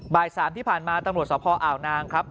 บ่าย๓ที่ผ่านมาตำรวจสภอ่าวนางครับ